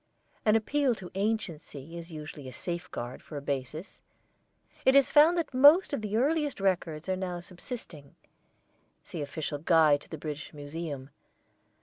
An appeal to anciency is usually a safeguard for a basis. It is found that most of the earliest records are now subsisting. See official guide to the British Museum.